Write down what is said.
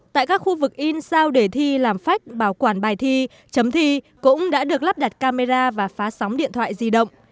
tại các khu vực in sao để thi làm phách bảo quản bài thi chấm thi cũng đã được lắp đặt camera và phá sóng điện thoại di động